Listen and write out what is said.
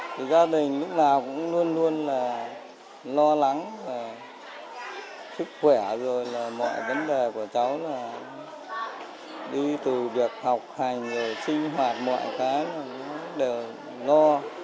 thì gia đình lúc nào cũng luôn luôn là lo lắng sức khỏe rồi là mọi vấn đề của cháu là đi từ việc học hành rồi sinh hoạt mọi cái đều ngon